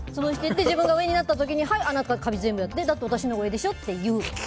自分が上になった時にはい、あなた家事全部やってだって私のほうが上でしょって言う。